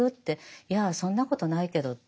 いやそんなことないけどって。